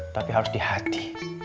tapi harus di hati